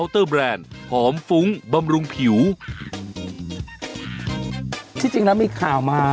ที่จริงแล้วมีข่าวมา